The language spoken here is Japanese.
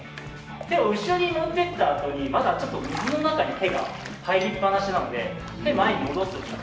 手を後ろに持っていったあとにまだちょっと水の中に手が入りっぱなしなので手を前に戻す。